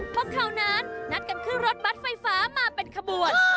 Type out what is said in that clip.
พวกเขานั้นนัดกันขึ้นรถบัตรไฟฟ้ามาเป็นขบวน